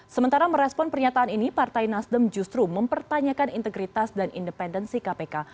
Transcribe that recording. sementara merespon pernyataan ini partai nasdem justru mempertanyakan integritas dan independensi kpk